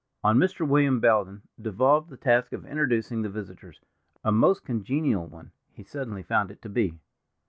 On Mr. William Belden devolved the task of introducing the visitors; a most congenial one, he suddenly found it to be.